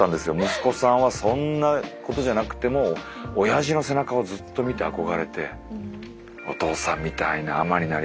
息子さんはそんなことじゃなくてもおやじの背中をずっと見て憧れてお父さんみたいな海人になりたいって。